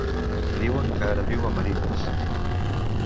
Diuen que ara viu a Marines.